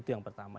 itu yang pertama